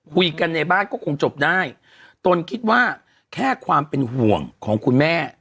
คุยกันในบ้านก็คงจบได้ตนคิดว่าแค่ความเป็นห่วงของคุณแม่